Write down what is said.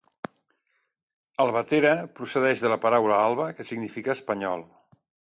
Albatera procedeix de la paraula Alba, que significa Espanyol.